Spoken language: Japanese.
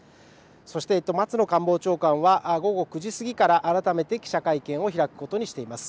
そして松野官房長官は午後９時過ぎから改めて記者会見を開くことにしています。